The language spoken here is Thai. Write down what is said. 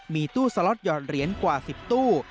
มีตู้สล็อตหอดเหรียญกว่า๑๐ตู้